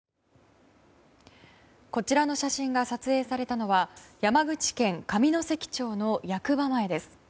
こちらの写真が撮影されたのは山口県上関町の役場前です。